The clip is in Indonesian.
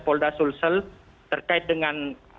polda sulsel terkait dengan